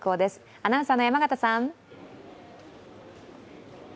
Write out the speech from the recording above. アナウンサーの山形さん。